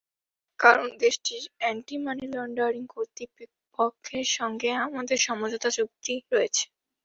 কারণ, দেশটির anti money laundering কর্তৃপক্ষের সঙ্গে আমাদের সমঝোতা চুক্তি রয়েছে।